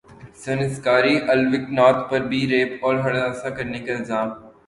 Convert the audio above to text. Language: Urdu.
سنسکاری الوک ناتھ پر بھی ریپ اور ہراساں کرنے کا الزام